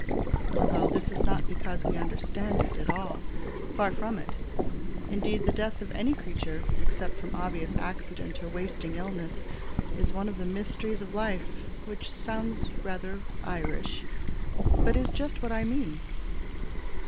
Although this is not because we understand it at all. Far from it. Indeed the death of any creature, except from obvious accident or wasting illness, is one of the mysteries of life. Which sounds rather Irish, but is just what I mean.